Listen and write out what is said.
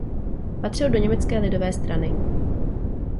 Patřil do Německé lidové strany.